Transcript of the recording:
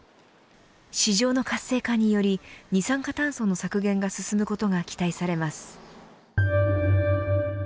市場の活性化により二酸化炭素の削減が進むことが期待されます。